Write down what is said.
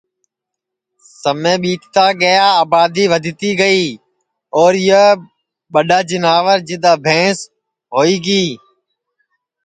سمے ٻیتا گیا آبادی ودھتی گئی اور یہ ٻڈؔا جیناور جِدؔا بھنس ہوئی گی